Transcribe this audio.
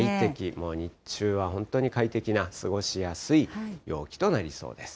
もう日中は本当に快適な過ごしやすい陽気となりそうです。